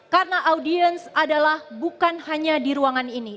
karena audiens adalah bukan hanya di ruangan ini